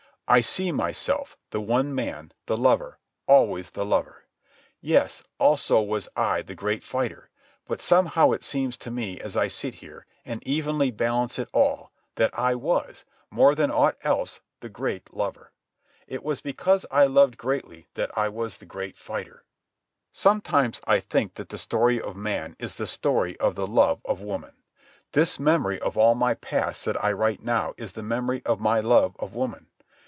I see myself, the one man, the lover, always the lover. Yes, also was I the great fighter, but somehow it seems to me as I sit here and evenly balance it all, that I was, more than aught else, the great lover. It was because I loved greatly that I was the great fighter. Sometimes I think that the story of man is the story of the love of woman. This memory of all my past that I write now is the memory of my love of woman.